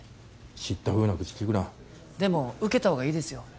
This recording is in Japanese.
知ったふうな口きくなでも受けたほうがいいですよ